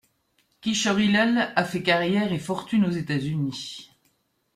Kishorilal a fait carrière et fortune aux États-Unis.